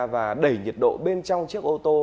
và đẩy nhiệt độ bên trong chiếc ô tô